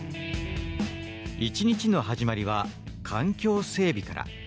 １日の始まりは環境整備から。